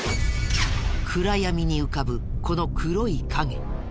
暗闇に浮かぶこの黒い影。